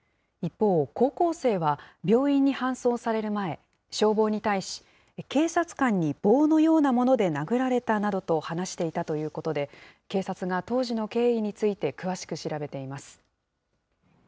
一方、高校生は、病院に搬送される前、消防に対し、警察官に棒のようなもので殴られたなどと話していたということで、警察が当時の経緯について詳しく調べています。